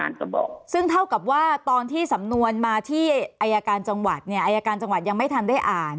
เขาบอกซึ่งเท่ากับว่าตอนที่สำนวนมาที่อายการจังหวัดเนี่ยอายการจังหวัดยังไม่ทันได้อ่าน